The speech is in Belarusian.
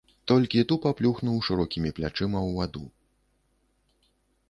Толькі тупа плюхнуў шырокімі плячыма ў ваду.